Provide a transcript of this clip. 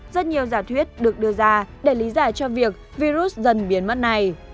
rất nhiều giả thuyết được đưa ra để lý giải cho việc virus dần biến mất này